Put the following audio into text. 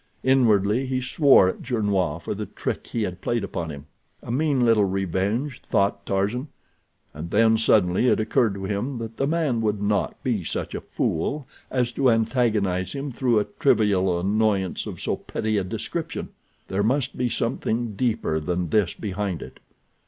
Inwardly he swore at Gernois for the trick he had played upon him. A mean little revenge, thought Tarzan, and then suddenly it occurred to him that the man would not be such a fool as to antagonize him through a trivial annoyance of so petty a description. There must be something deeper than this behind it.